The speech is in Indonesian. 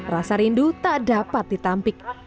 rasa rindu tak dapat ditampik